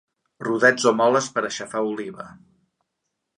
Rodets o moles per a aixafar oliva.